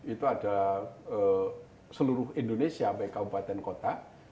itu ada seluruh indonesia sampai kabupaten kota